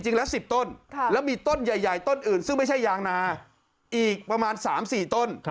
ละ๑๐ต้นแล้วมีต้นใหญ่ต้นอื่นซึ่งไม่ใช่ยางนาอีกประมาณ๓๔ต้น